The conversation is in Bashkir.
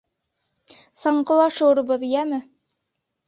Саңғыла шыуырбыҙ, йәме?